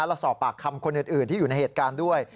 และสอบปากคำคนอื่นที่อยู่ในเหตุการณ์ด้วย